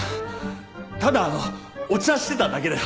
ただあのお茶してただけだよ。